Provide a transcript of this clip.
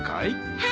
はい。